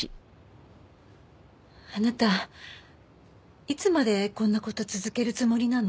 あなたいつまでこんな事続けるつもりなの？